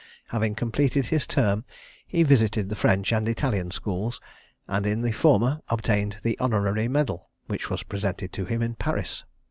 Having completed his term, he visited the French and Italian schools; and in the former obtained the honorary medal, which was presented to him in Paris.